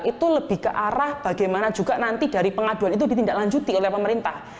itu lebih ke arah bagaimana juga nanti dari pengaduan itu ditindaklanjuti oleh pemerintah